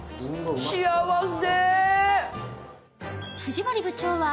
幸せ。